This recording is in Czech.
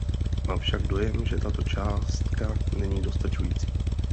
Mám však dojem, že tato částka není dostačující.